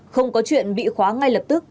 không có chuyện bị khóa ngay lập tức